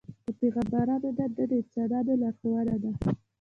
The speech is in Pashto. د پیغمبرانو دنده د انسانانو لارښوونه ده.